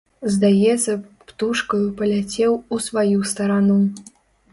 Здаецца б, птушкаю паляцеў у сваю старану.